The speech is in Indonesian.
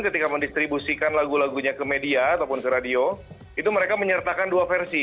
ketika mendistribusikan lagu lagunya ke media ataupun ke radio itu mereka menyertakan dua versi